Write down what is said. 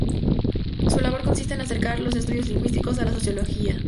Su labor consiste en acercar los estudios lingüísticos a la sociología.